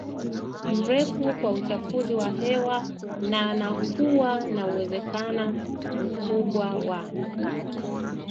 mrefu kwa uchafuzi wa hewa na na kuwa na uwezekana mkubwa wa